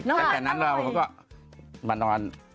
จากนั้นเราก็มานอน